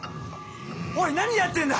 おい何やってんだ！